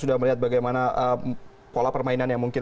ada kelebihan yang mungkin